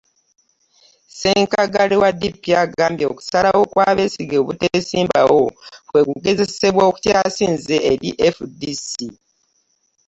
Ssenkaggale wa DP agambye okusalawo kwa Besigye obuteesimbawo kwe kugezesebwa okukyasinze eri FDC